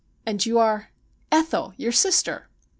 ' And you are ?'' Ethel, your sister.'